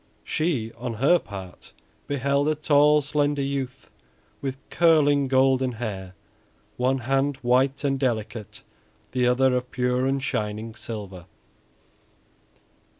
She on her part beheld a tall, slender youth with curling, golden hair, one hand white and delicate, the other of pure and shining silver.